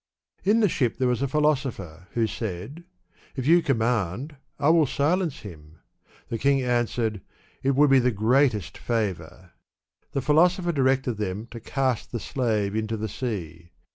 . In the ship there was a philosopher, who said, " If you command, I will silence him." The king answered, *' It would be the greatest flavor." The philosopher directed them to cast the slave into the sea.